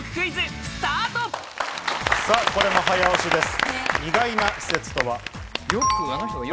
これも早押しです。